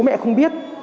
bố mẹ không biết